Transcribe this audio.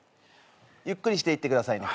ゆっくりしていってくださいね。